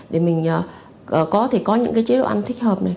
để mình có thể có những cái chế độ ăn thích hợp này